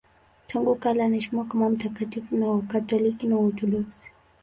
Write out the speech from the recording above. Tangu kale anaheshimiwa kama mtakatifu na Wakatoliki na Waorthodoksi.